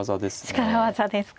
力技ですか。